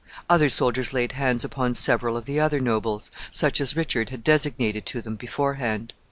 Other soldiers laid hands upon several of the other nobles, such as Richard had designated to them beforehand.